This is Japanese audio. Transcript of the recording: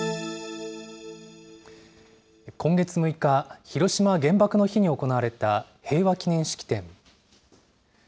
今月６日、広島原爆の日に行われた平和記念式典。